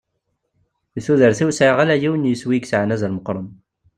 Deg tudert-iw sɛiɣ ala yiwen n yiswi i yesɛan azal meqqren.